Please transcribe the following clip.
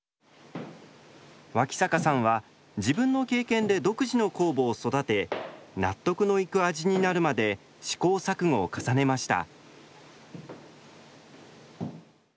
脇坂さんは自分の経験で独自の酵母を育て納得のいく味になるまで試行錯誤を重ねました。